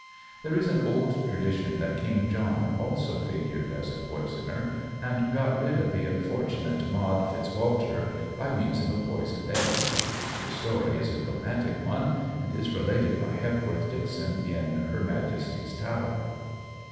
There is an old tradition that King John also figured as a poisoner, and got rid of the unfortunate Maud Fitz Walter by means of a poisoned egg. The story is a romantic one, and is related by Hepworth Dixon in "Her Majesty's Tower."